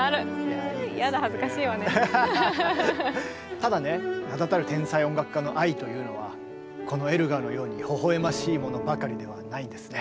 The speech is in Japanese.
ただね名だたる天才音楽家の愛というのはこのエルガーのようにほほ笑ましいものばかりではないんですね。